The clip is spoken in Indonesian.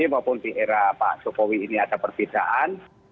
apapun di era pak sokowi ini ada perbedaan